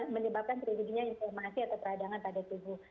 menyebabkan sebagainya inflamasi atau peradangan pada tubuh